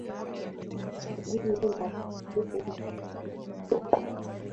Zinguo la mtukufu ni ufito